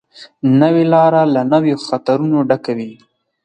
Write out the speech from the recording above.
نوې لاره له نویو خطرونو ډکه وي